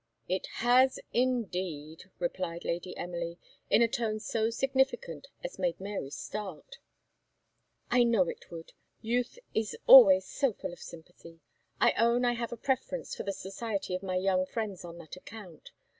"It has indeed!" replied Lady Emily, in a tone so significant as made Mary start. "I know it would youth is always so full of sympathy. I own I have a preference for the society of my young friends on that account.